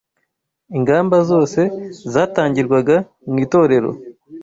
Ingamba zose zatangirwaga mu itorero